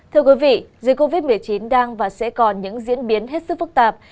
thưa quý vị dịch covid một mươi chín đang và sẽ còn những diễn biến hết sức phức tạp